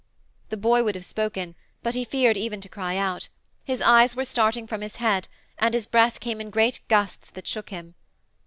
The boy would have spoken, but he feared even to cry out; his eyes were starting from his head, and his breath came in great gusts that shook him.